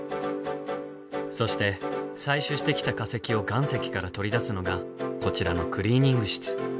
そして採取してきた化石を岩石から取り出すのがこちらのクリーニング室。